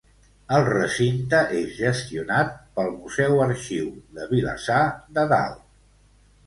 El recinte és gestionat pel Museu-Arxiu de Vilassar de Dalt.